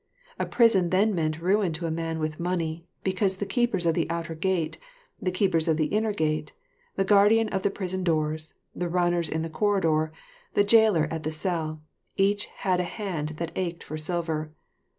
A prison then meant ruin to a man with money, because the keepers of the outer gate, the keepers of the inner gate, the guardian of the prison doors, the runners in the corridor, the jailer at the cell, each had a hand that ached for silver.